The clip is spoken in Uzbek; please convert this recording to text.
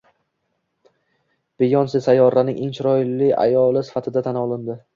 Beyonse sayyoraning eng chiroyli ayoli sifatida tan olindi